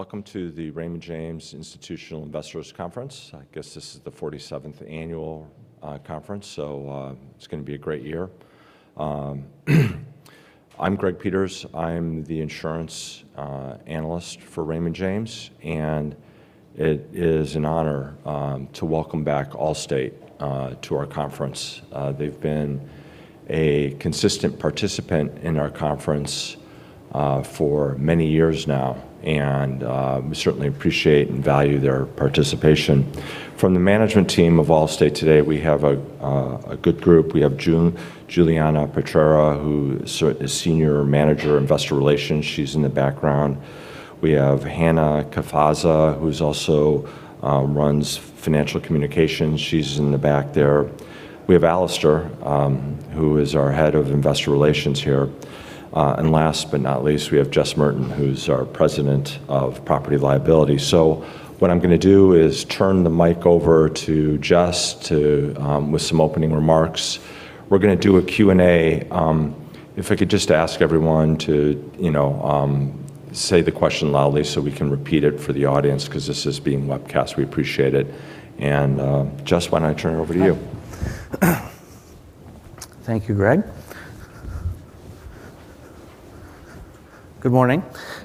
Welcome to the Raymond James Institutional Investors Conference. I guess this is the 47th annual conference. It's gonna be a great year. I'm Greg Peters. I'm the insurance analyst for Raymond James. It is an honor to welcome back Allstate to our conference. They've been a consistent participant in our conference for many years now. We certainly appreciate and value their participation. From the management team of Allstate today, we have a good group. We have Juliana Petrarca, who is Senior Manager of Investor Relations. She's in the background. We have Hannah Cafazza, who's also runs Financial Communications. She's in the back there. We have Alastair, who is our Head of Investor Relations here. Last but not least, we have Jess Merten, who's our President of Property-Liability. What I'm gonna do is turn the mic over to Jess to, with some opening remarks. We're gonna do a Q&A. If I could just ask everyone to, you know, say the question loudly so we can repeat it for the audience 'cause this is being webcast. We appreciate it. Jess, why don't I turn it over to you? Thank you, Greg. Good morning.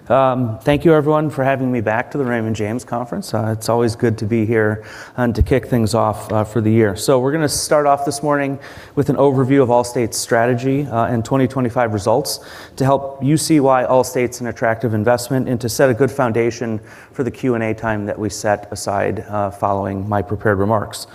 Thank you everyone for having me back to the Raymond James conference. It's always good to be here and to kick things off for the year. We're gonna start off this morning with an overview of Allstate's strategy and 2025 results to help you see why Allstate's an attractive investment and to set a good foundation for the Q&A time that we set aside following my prepared remarks.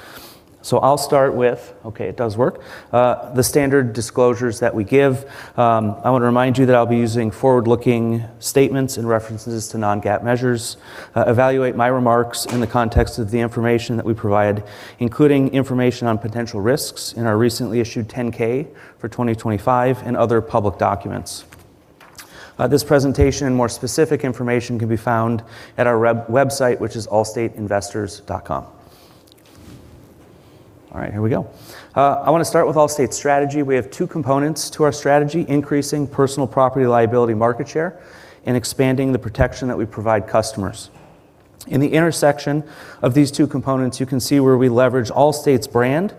I'll start with... Okay, it does work. The standard disclosures that we give, I want to remind you that I'll be using forward-looking statements and references to non-GAAP measures. Evaluate my remarks in the context of the information that we provide, including information on potential risks in our recently issued 10-K for 2025 and other public documents. This presentation and more specific information can be found at our website, which is allstateinvestors.com. All right, here we go. I want to start with Allstate's strategy. We have two components to our strategy, increasing personal property liability market share and expanding the protection that we provide customers. In the intersection of these two components, you can see where we leverage Allstate's brand,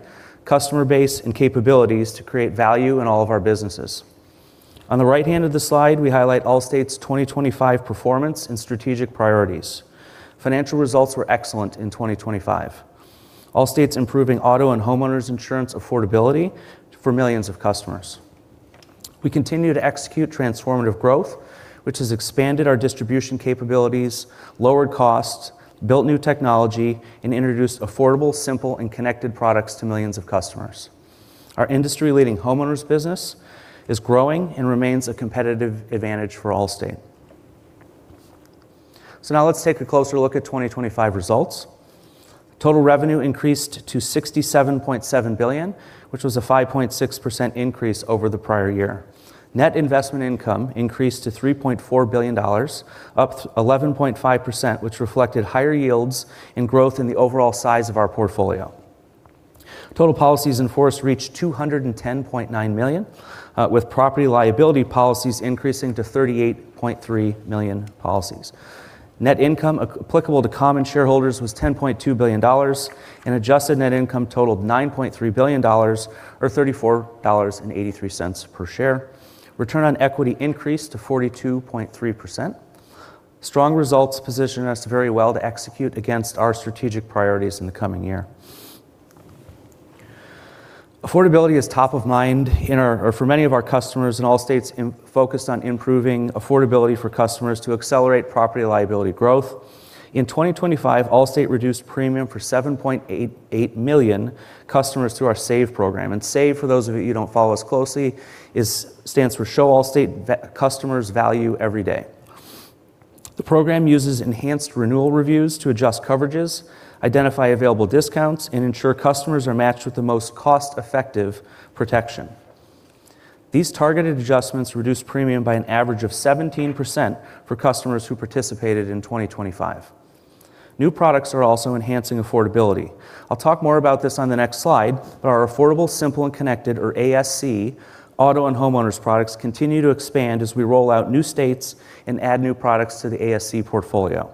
customer base, and capabilities to create value in all of our businesses. On the right hand of the slide, we highlight Allstate's 2025 performance and strategic priorities. Financial results were excellent in 2025. Allstate's improving auto and homeowners insurance affordability for millions of customers. We continue to execute Transformative Growth, which has expanded our distribution capabilities, lowered costs, built new technology, and introduced affordable, simple, and connected products to millions of customers. Our industry-leading homeowners business is growing and remains a competitive advantage for Allstate. Now let's take a closer look at 2025 results. Total revenue increased to $67.7 billion, which was a 5.6% increase over the prior year. Net Investment Income increased to $3.4 billion, up 11.5%, which reflected higher yields and growth in the overall size of our portfolio. Total Policies in Force reached 210.9 million, with property liability policies increasing to 38.3 million policies. Net income applicable to common shareholders was $10.2 billion, and Adjusted Net Income totaled $9.3 billion or $34.83 per share. Return on Equity increased to 42.3%. Strong results position us very well to execute against our strategic priorities in the coming year. Affordability is top of mind for many of our customers. Allstate's focused on improving affordability for customers to accelerate property liability growth. In 2025, Allstate reduced premium for 7.88 million customers through our SAVE program. SAVE, for those of you who don't follow us closely, stands for Show Allstate Customers Value Everyday. The program uses enhanced renewal reviews to adjust coverages, identify available discounts, and ensure customers are matched with the most cost-effective protection. These targeted adjustments reduce premium by an average of 17% for customers who participated in 2025. New products are also enhancing affordability. I'll talk more about this on the next slide, our Affordable, Simple, and Connected, or ASC, auto and homeowners products continue to expand as we roll out new states and add new products to the ASC portfolio.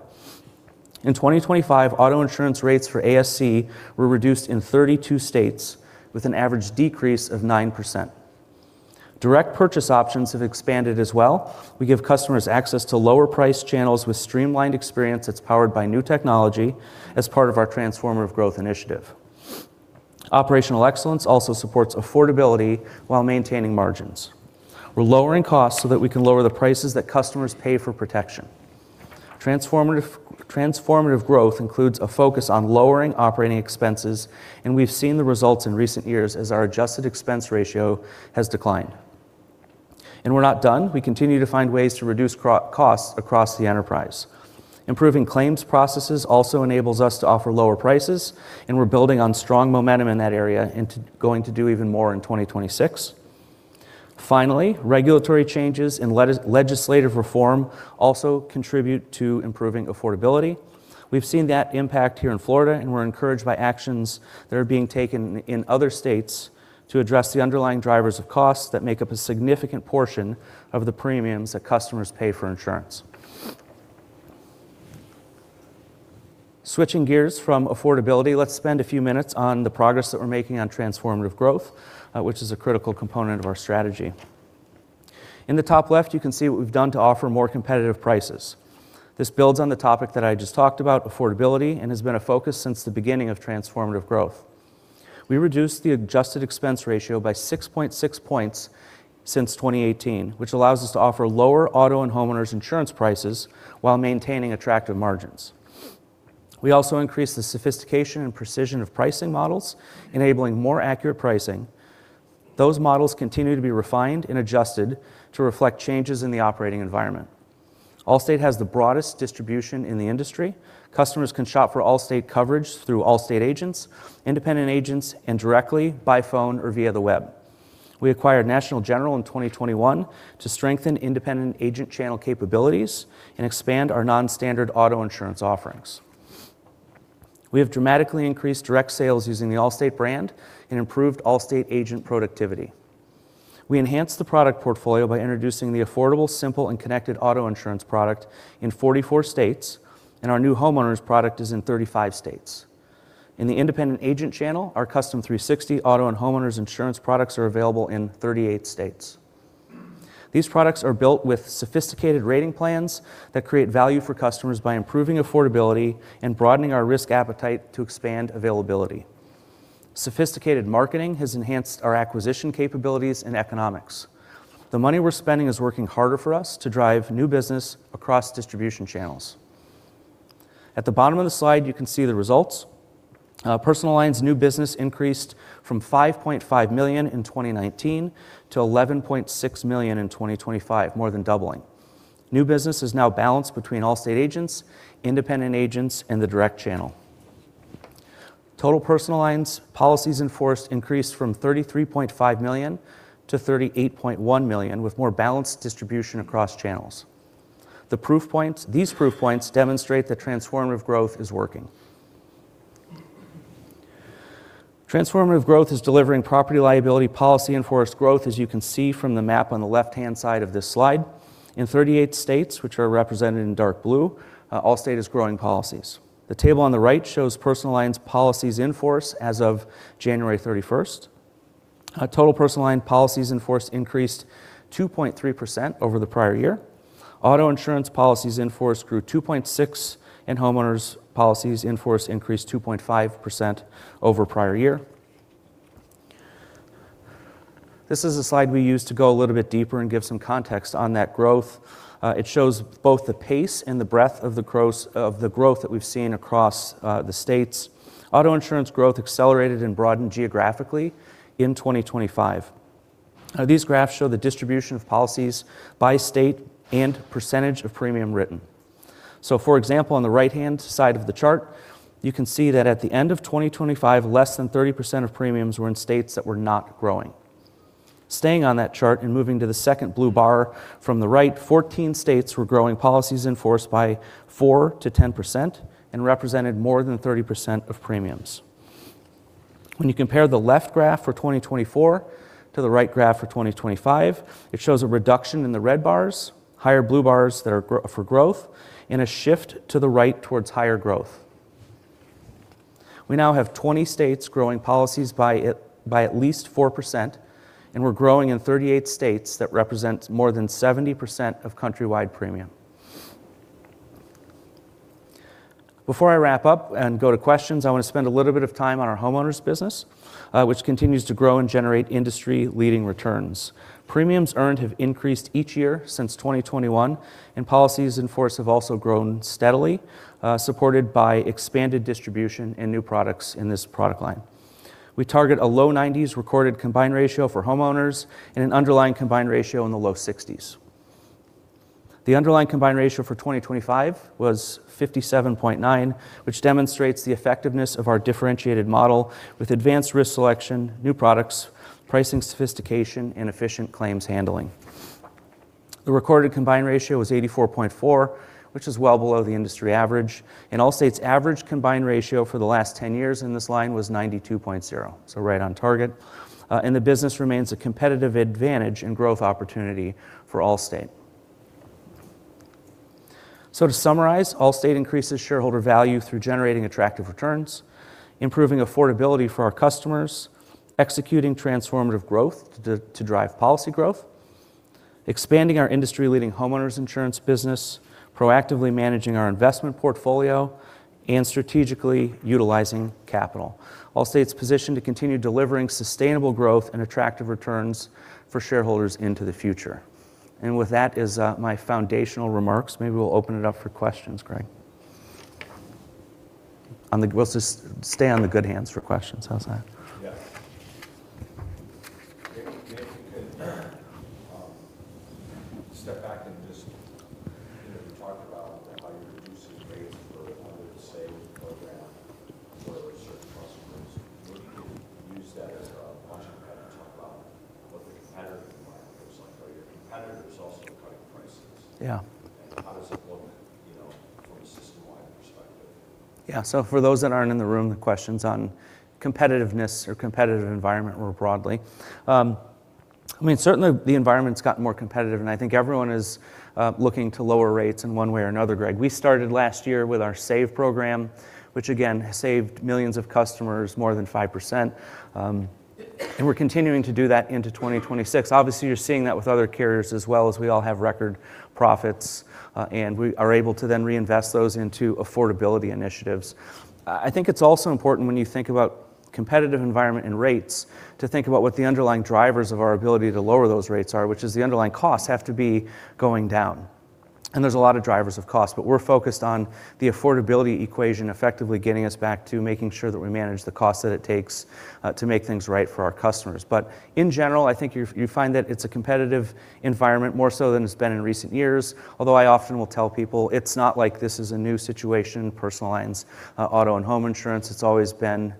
In 2025, auto insurance rates for ASC were reduced in 32 states with an average decrease of 9%. Direct purchase options have expanded as well. We give customers access to lower priced channels with streamlined experience that's powered by new technology as part of our Transformative Growth initiative. Operational excellence also supports affordability while maintaining margins. We're lowering costs so that we can lower the prices that customers pay for protection. Transformative Growth includes a focus on lowering operating expenses, and we've seen the results in recent years as our adjusted expense ratio has declined. We're not done. We continue to find ways to reduce costs across the enterprise. Improving claims processes also enables us to offer lower prices, we're building on strong momentum in that area going to do even more in 2026. Finally, regulatory changes and legislative reform also contribute to improving affordability. We've seen that impact here in Florida, we're encouraged by actions that are being taken in other states to address the underlying drivers of costs that make up a significant portion of the premiums that customers pay for insurance. Switching gears from affordability, let's spend a few minutes on the progress that we're making on Transformative Growth, which is a critical component of our strategy. In the top left, you can see what we've done to offer more competitive prices. This builds on the topic that I just talked about, affordability, and has been a focus since the beginning of Transformative Growth. We reduced the adjusted expense ratio by 6.6 points since 2018, which allows us to offer lower auto and homeowners insurance prices while maintaining attractive margins. We also increased the sophistication and precision of pricing models, enabling more accurate pricing. Those models continue to be refined and adjusted to reflect changes in the operating environment. Allstate has the broadest distribution in the industry. Customers can shop for Allstate coverage through Allstate agents, independent agents, and directly by phone or via the web. We acquired National General in 2021 to strengthen independent agent channel capabilities and expand our non-standard auto insurance offerings. We have dramatically increased direct sales using the Allstate brand and improved Allstate agent productivity. We enhanced the product portfolio by introducing the Affordable, Simple, and Connected auto insurance product in 44 states. Our new homeowners product is in 35 states. In the independent agent channel, our Custom 360 auto and homeowners insurance products are available in 38 states. These products are built with sophisticated rating plans that create value for customers by improving affordability and broadening our risk appetite to expand availability. Sophisticated marketing has enhanced our acquisition capabilities and economics. The money we're spending is working harder for us to drive new business across distribution channels. At the bottom of the slide, you can see the results. Personal lines new business increased from $5.5 million in 2019 to $11.6 million in 2025, more than doubling. New business is now balanced between Allstate agents, independent agents, and the direct channel. Total personal lines Policies in Force increased from 33.5 million-38.1 million, with more balanced distribution across channels. These proof points demonstrate that Transformative Growth is working. Transformative Growth is delivering property liability Policy in Force growth, as you can see from the map on the left-hand side of this slide. In 38 states, which are represented in dark blue, Allstate is growing policies. The table on the right shows personal lines Policies in Force as of January 31st. Total personal line Policies in Force increased 2.3% over the prior year. Auto insurance Policies in Force grew 2.6%, and homeowners Policies in Force increased 2.5% over prior year. This is a slide we use to go a little bit deeper and give some context on that growth. It shows both the pace and the breadth of the growth that we've seen across the states. Auto insurance growth accelerated and broadened geographically in 2025. These graphs show the distribution of policies by state and percentage of premium written. For example, on the right-hand side of the chart, you can see that at the end of 2025, less than 30% of premiums were in states that were not growing. Staying on that chart and moving to the second blue bar from the right, 14 states were growing Policies in Force by 4%-10% and represented more than 30% of premiums. When you compare the left graph for 2024 to the right graph for 2025, it shows a reduction in the red bars, higher blue bars that are for growth, and a shift to the right towards higher growth. We now have 20 states growing policies by at least 4%, and we're growing in 38 states that represent more than 70% of countrywide premium. Before I wrap up and go to questions, I want to spend a little bit of time on our homeowners business, which continues to grow and generate industry-leading returns. Premiums earned have increased each year since 2021, and Policies in Force have also grown steadily, supported by expanded distribution and new products in this product line. We target a low 90s recorded combined ratio for homeowners and an underlying combined ratio the low 60s. The underlying combined ratio for 2025 was 57.9, which demonstrates the effectiveness of our differentiated model with advanced risk selection, new products, pricing sophistication, and efficient claims handling. The recorded combined ratio was 84.4, which is well below the industry average. Allstate's average combined ratio for the last 10 years in this line was 92.0, right on target. The business remains a competitive advantage and growth opportunity for Allstate. To summarize, Allstate increases shareholder value through generating attractive returns, improving affordability for our customers, executing Transformative Growth to drive policy growth, expanding our industry-leading homeowners insurance business, proactively managing our investment portfolio, and strategically utilizing capital. Allstate's positioned to continue delivering sustainable growth and attractive returns for shareholders into the future. With that is my foundational remarks. Maybe we'll open it up for questions, Greg. We'll just stay on the good hands for questions. How's that? Maybe you could, you know, talk about how you're reducing rates for homeowners? Use that as a launching pad to talk about what the competitive environment looks like. Are your competitors also cutting prices? Yeah. How does it look, you know, from a system-wide perspective? For those that aren't in the room, the question's on competitiveness or competitive environment more broadly. I mean, certainly the environment's gotten more competitive, and I think everyone is looking to lower rates in one way or another, Greg. We started last year with our SAVE program, which again saved millions of customers more than 5%, and we're continuing to do that into 2026. Obviously, you're seeing that with other carriers as well, as we all have record profits, and we are able to then reinvest those into affordability initiatives. I think it's also important when you think about competitive environment and rates to think about what the underlying drivers of our ability to lower those rates are, which is the underlying costs have to be going down. There's a lot of drivers of cost, but we're focused on the affordability equation effectively getting us back to making sure that we manage the cost that it takes to make things right for our customers. In general, I think you find that it's a competitive environment, more so than it's been in recent years. Although I often will tell people, it's not like this is a new situation, personal lines, auto and home insurance. It's always been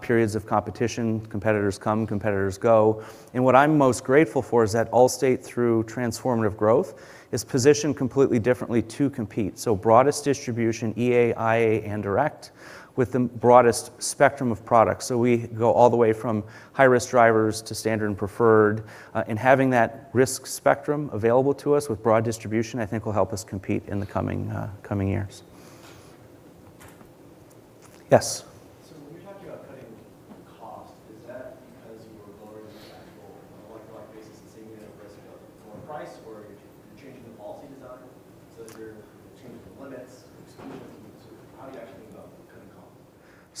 periods of competition. Competitors come, competitors go. What I'm most grateful for is that Allstate, through Transformative Growth, is positioned completely differently to compete. Broadest distribution, EA, IA, and direct with the broadest spectrum of products. We go all the way from high-risk drivers to standard and preferred. Having that risk spectrum available to us with broad distribution, I think will help us compete in the coming coming years. Yes.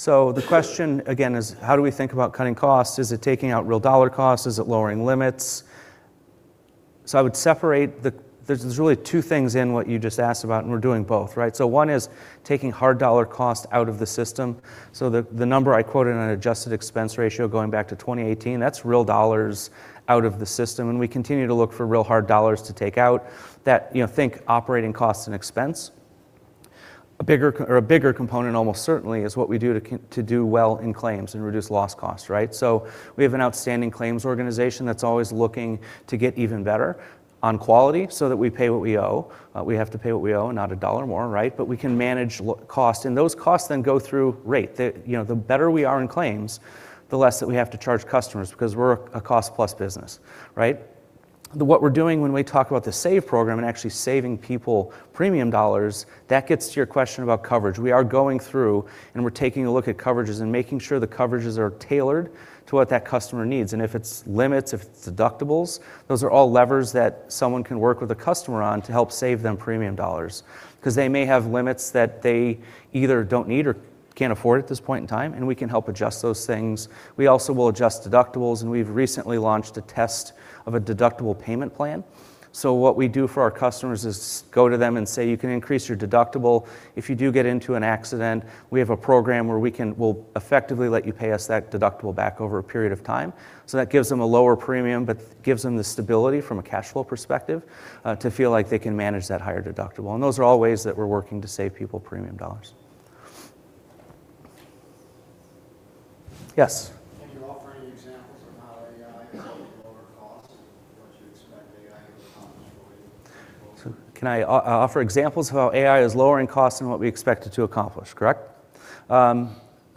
When you talked about cutting costs, is that because you are lowering the actual like for like basis and saying we're going to risk a lower price, or you're changing the policy design? If you're changing the limits, exclusions, how do you actually think about cutting costs? The question again is how do we think about cutting costs? Is it taking out real dollar costs? Is it lowering limits? I would separate the, there's really two things in what you just asked about, and we're doing both, right? One is taking hard dollar cost out of the system. The number I quoted on an adjusted expense ratio going back to 2018, that's real dollars out of the system, and we continue to look for real hard dollars to take out that, you know, think operating costs and expense. A bigger or a bigger component almost certainly is what we do to do well in claims and reduce loss costs, right? We have an outstanding claims organization that's always looking to get even better on quality so that we pay what we owe. We have to pay what we owe, not $1 more, right? we can manage cost, and those costs then go through rate. you know, the better we are in claims, the less that we have to charge customers because we're a cost plus business, right? What we're doing when we talk about the SAVE program and actually saving people premium dollars, that gets to your question about coverage. We are going through and we're taking a look at coverages and making sure the coverages are tailored to what that customer needs, and if it's limits, if it's deductibles, those are all levers that someone can work with a customer on to help save them premium dollars. 'Cause they may have limits that they either don't need or can't afford at this point in time, and we can help adjust those things. We also will adjust deductibles, and we've recently launched a test of a deductible payment plan. What we do for our customers is go to them and say, "You can increase your deductible. If you do get into an accident, we have a program where we'll effectively let you pay us that deductible back over a period of time." That gives them a lower premium but gives them the stability from a cash flow perspective to feel like they can manage that higher deductible. Those are all ways that we're working to save people premium dollars. Yes. Can you offer any examples of how AI is helping lower costs and what you expect AI to accomplish for you going forward? Can I offer examples of how AI is lowering costs and what we expect it to accomplish? Correct.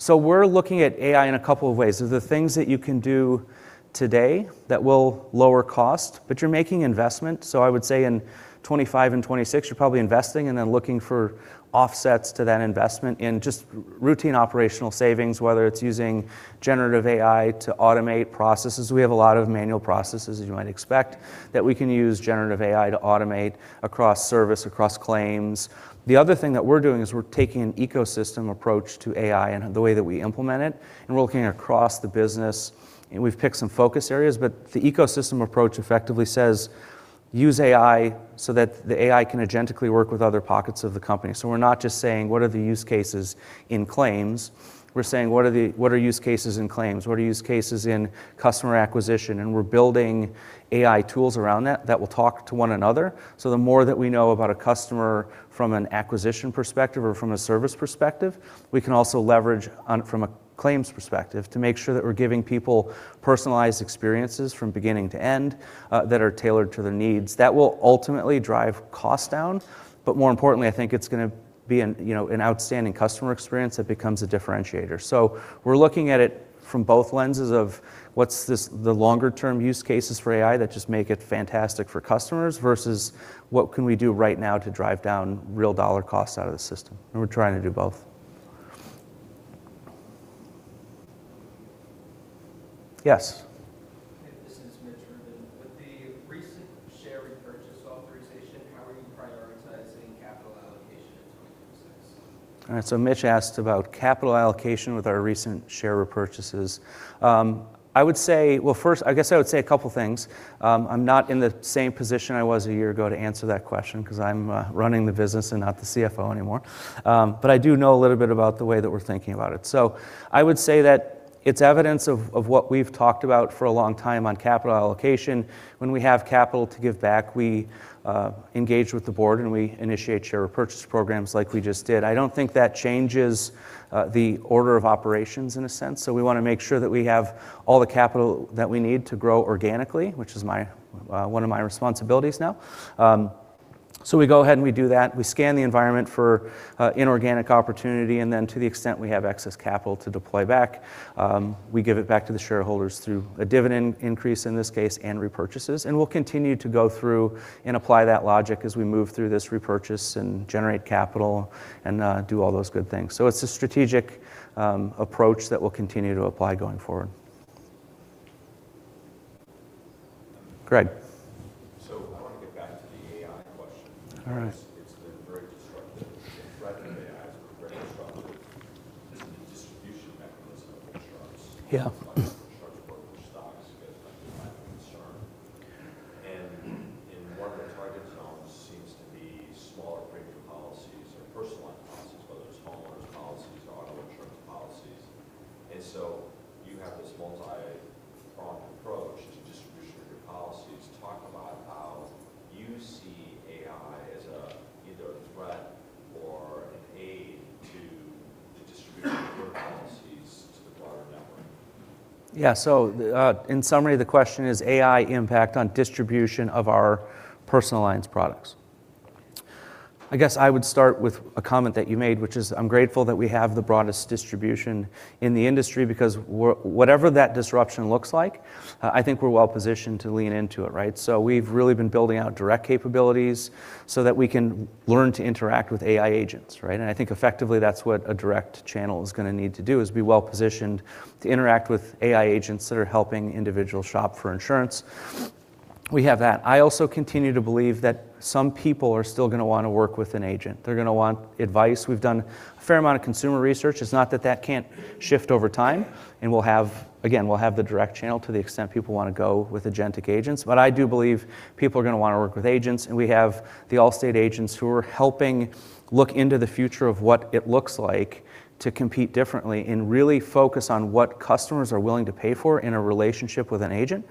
We're looking at AI in a couple of ways. There's the things that you can do today that will lower cost, but you're making investment. I would say in 2025 and 2026, you're probably investing and then looking for offsets to that investment in just routine operational savings, whether it's using generative AI to automate processes. We have a lot of manual processes, as you might expect, that we can use generative AI to automate across service, across claims. The other thing that we're doing is we're taking an ecosystem approach to AI and the way that we implement it, and we're looking across the business, and we've picked some focus areas. The ecosystem approach effectively says use AI so that the AI can agentically work with other pockets of the company. We're not just saying, what are the use cases in claims? We're saying, what are use cases in claims? What are use cases in customer acquisition? We're building AI tools around that will talk to one another. The more that we know about a customer from an acquisition perspective or from a service perspective, we can also leverage on from a claims perspective to make sure that we're giving people personalized experiences from beginning to end that are tailored to their needs. That will ultimately drive cost down, but more importantly, I think it's gonna be an outstanding customer experience that becomes a differentiator. We're looking at it from both lenses of what's this, the longer-term use cases for AI that just make it fantastic for customers versus what can we do right now to drive down real dollar costs out of the system? We're trying to do both. Yes. This is Mitchell Rubin. With the recent share repurchase authorization, how are you prioritizing capital allocation in 2026? All right. Mitch asked about capital allocation with our recent share repurchases. Well, first, I guess I would say a couple things. I'm not in the same position I was a year ago to answer that question 'cause I'm running the business and not the CFO anymore. But I do know a little bit about the way that we're thinking about it. I would say that it's evidence of what we've talked about for a long time on capital allocation. When we have capital to give back, we engage with the board, and we initiate share repurchase programs like we just did. I don't think that changes the order of operations in a sense. We want to make sure that we have all the capital that we need to grow organically, which is one of my responsibilities now. We go ahead and we do that. We scan the environment for inorganic opportunity, and then to the extent we have excess capital to deploy back, we give it back to the shareholders through a dividend increase in this case and repurchases. We'll continue to go through and apply that logic as we move through this repurchase and generate capital and do all those good things. It's a strategic approach that we'll continue to apply going forward. Greg? I want to get back to the AI question. All right. It's been very destructive. The threat of AI is very destructive as a distribution mechanism of insurance. Yeah. I guess I would start with a comment that you made, which is I'm grateful that we have the broadest distribution in the industry because whatever that disruption looks like, I think we're well-positioned to lean into it, right? We've really been building out direct capabilities so that we can learn to interact with AI agents, right? I think effectively that's what a direct channel is gonna need to do, is be well-positioned to interact with AI agents that are helping individuals shop for insurance. We have that. I also continue to believe that some people are still gonna want to work with an agent. They're gonna want advice. We've done a fair amount of consumer research. It's not that that can't shift over time. We'll have, again, we'll have the direct channel to the extent people want to go with agentic agents. I do believe people are gonna want to work with agents, and we have the Allstate agents who are helping look into the future of what it looks like to compete differently and really focus on what customers are willing to pay for in a relationship with an agent,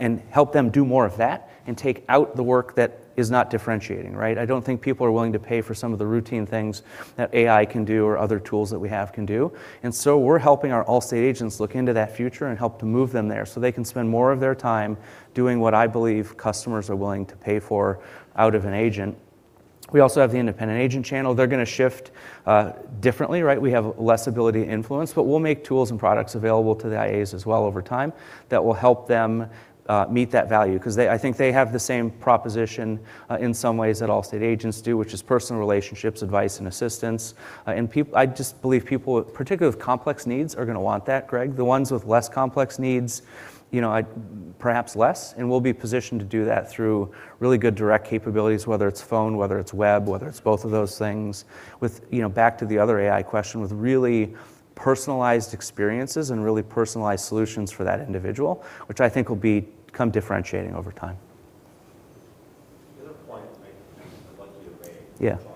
and help them do more of that and take out the work that is not differentiating, right? I don't think people are willing to pay for some of the routine things that AI can do or other tools that we have can do. We're helping our Allstate agents look into that future and help to move them there so they can spend more of their time doing what I believe customers are willing to pay for out of an agent. We also have the independent agent channel. They're gonna shift differently, right? We have less ability to influence, but we'll make tools and products available to the IAs as well over time that will help them meet that value. 'Cause they, I think they have the same proposition in some ways that Allstate agents do, which is personal relationships, advice, and assistance. I just believe people, particularly with complex needs, are gonna want that, Greg. The ones with less complex needs, you know, I'd perhaps less. We'll be positioned to do that through really good direct capabilities, whether it's phone, whether it's web, whether it's both of those things. With, you know, back to the other AI question, with really personalized experiences and really personalized solutions for that individual, which I think will become differentiating over time. The other point I'd like you to make. Yeah. Talk about insurance, I don't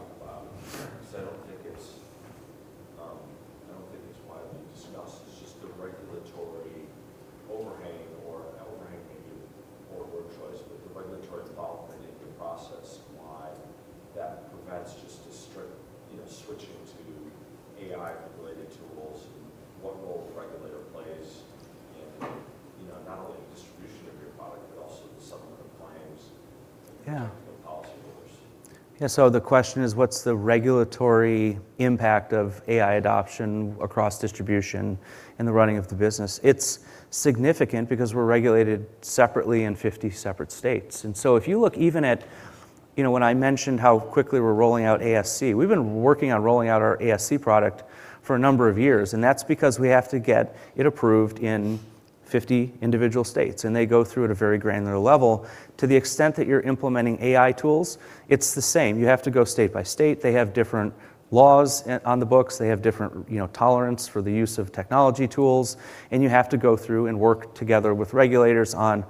in 50 individual states. They go through at a very granular level. To the extent that you're implementing AI tools, it's the same. You have to go state by state. They have different laws on the books. They have different, you know, tolerance for the use of technology tools, and you have to go through and work together with regulators on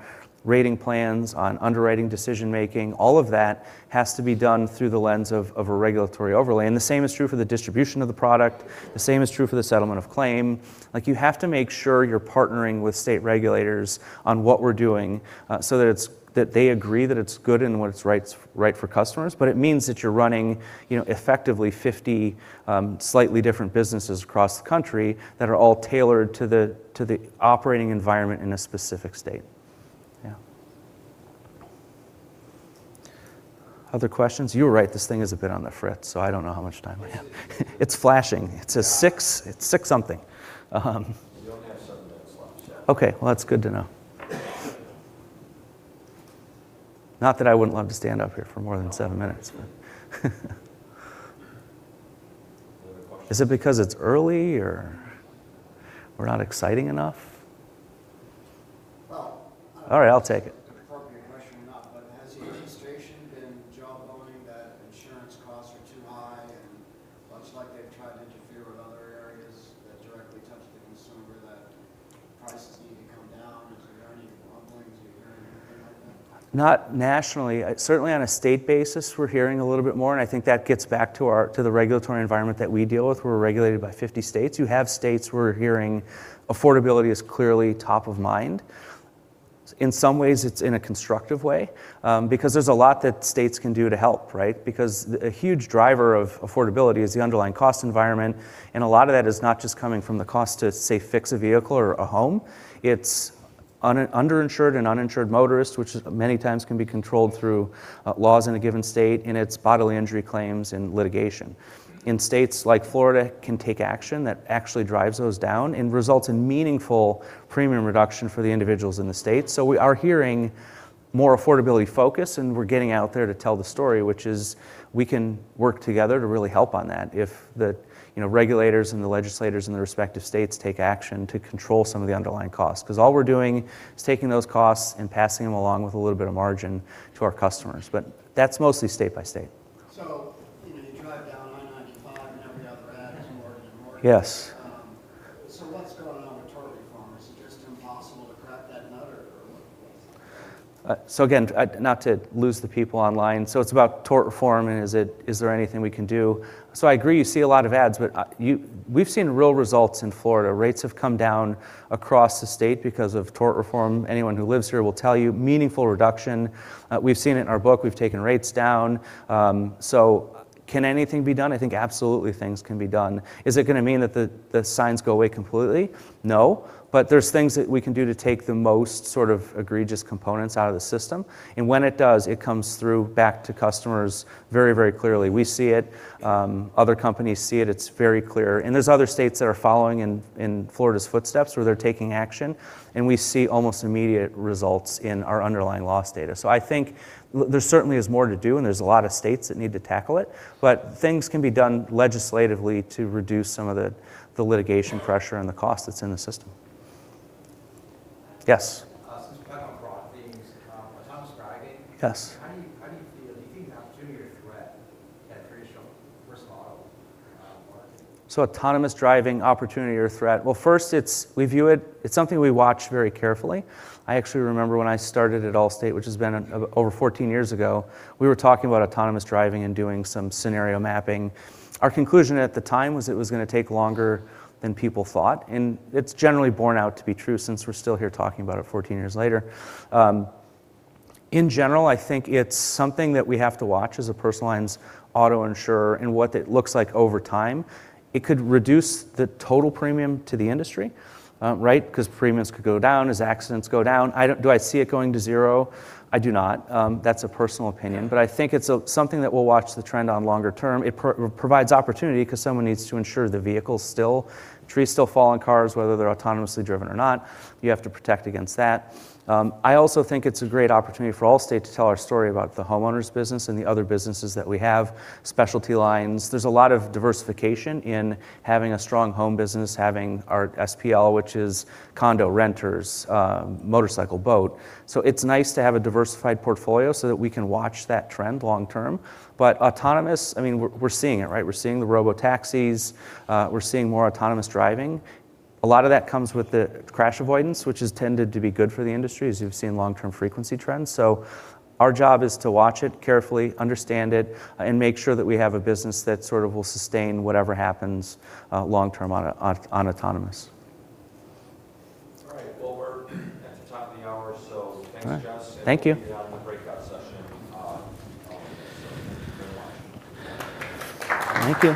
rating plans, on underwriting decision-making. All of that has to be done through the lens of a regulatory overlay. The same is true for the distribution of the product. The same is true for the settlement of claim. You have to make sure you're partnering with state regulators on what we're doing so that it's that they agree that it's good and what it's right for customers. It means that you're running, you know, effectively 50 slightly different businesses across the country that are all tailored to the operating environment in a specific state. Yeah. Other questions? You were right. This thing is a bit on the fritz, so I don't know how much time I have. It's flashing. It says six. It's six something. You only have seven minutes left. Yeah. Okay. Well, that's good to know. Not that I wouldn't love to stand up here for more than seven minutes, but. Other questions? Is it because it's early or we're not exciting enough? Well. All right, I'll take it. Appropriate question or not, has the administration been jawboning that insurance costs are too high and much like they've tried to interfere with other areas that directly touch the consumer that prices need to come down? Is there any rumblings you're hearing anything like that? Not nationally. Certainly, on a state basis, we're hearing a little bit more, and I think that gets back to our, to the regulatory environment that we deal with. We're regulated by 50 states. You have states we're hearing affordability is clearly top of mind. In some ways, it's in a constructive way, because there's a lot that states can do to help, right? Because a huge driver of affordability is the underlying cost environment, and a lot of that is not just coming from the cost to, say, fix a vehicle or a home. Underinsured and uninsured motorists, which many times can be controlled through laws in a given state in its bodily injury claims and litigation. States like Florida can take action that actually drives those down and results in meaningful premium reduction for the individuals in the state. We are hearing more affordability focus, and we're getting out there to tell the story, which is we can work together to really help on that if the, you know, regulators and the legislators in their respective states take action to control some of the underlying costs. 'Cause all we're doing is taking those costs and passing them along with a little bit of margin to our customers. That's mostly state by state. you know, you drive down I-95 and every other ad is Morgan & Morgan. Yes. What's going on with tort reform? Is it just impossible to crack that nut or what? Again, not to lose the people online. It's about tort reform, and is there anything we can do? I agree, you see a lot of ads, we've seen real results in Florida. Rates have come down across the state because of tort reform. Anyone who lives here will tell you, meaningful reduction. We've seen it in our book. We've taken rates down. Can anything be done? I think absolutely things can be done. Is it gonna mean that the signs go away completely? No. There's things that we can do to take the most sort of egregious components out of the system, and when it does, it comes through back to customers very, very clearly. We see it, other companies see it. It's very clear. There's other states that are following in Florida's footsteps where they're taking action, and we see almost immediate results in our underlying loss data. I think there certainly is more to do, and there's a lot of states that need to tackle it. Things can be done legislatively to reduce some of the litigation pressure and the cost that's in the system. Yes. Since we're talking about broad themes, autonomous driving- Yes. How do you feel? Do you view it an opportunity or threat at traditional personal auto market? Autonomous driving, opportunity or threat? First, we view it. It's something we watch very carefully. I actually remember when I started at Allstate, which has been over 14 years ago, we were talking about autonomous driving and doing some scenario mapping. Our conclusion at the time was it was gonna take longer than people thought, and it's generally borne out to be true since we're still here talking about it 14 years later. In general, I think it's something that we have to watch as a personal lines auto insurer and what it looks like over time. It could reduce the total premium to the industry, right, because premiums could go down as accidents go down. Do I see it going to zero? I do not. That's a personal opinion. I think it's a something that we'll watch the trend on longer term. It provides opportunity 'cause someone needs to insure the vehicles still. Trees still fall on cars, whether they're autonomously driven or not. You have to protect against that. I also think it's a great opportunity for Allstate to tell our story about the homeowners business and the other businesses that we have, specialty lines. There's a lot of diversification in having a strong home business, having our SPL, which is condo, renters, motorcycle, boat. It's nice to have a diversified portfolio so that we can watch that trend long term. Autonomous, I mean, we're seeing it, right? We're seeing the robotaxis. We're seeing more autonomous driving. A lot of that comes with the crash avoidance, which has tended to be good for the industry as we've seen long-term frequency trends. Our job is to watch it carefully, understand it, and make sure that we have a business that sort of will sustain whatever happens long term on autonomous. All right. Well, we're at the top of the hour, so thanks, Jess. Thank you. We'll be out in the breakout session. Thank you very much. Thank you.